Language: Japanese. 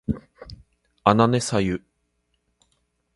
あなねさゆ